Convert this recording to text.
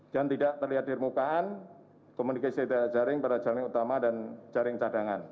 dan tidak terlihat di permukaan komunikasi dari jaring pada jaring utama dan jaring cadangan